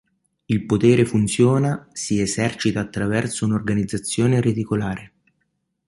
Il potere funziona, si esercita attraverso un'organizzazione reticolare".